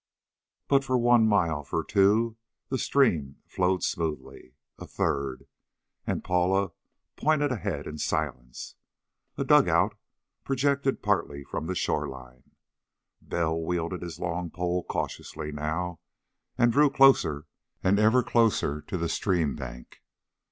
But for one mile, for two, the stream flowed smoothly. A third.... And Paula pointed ahead in silence. A dug out projected partly from the shoreline. Bell wielded his long pole cautiously now, and drew closer and ever closer to the stream bank.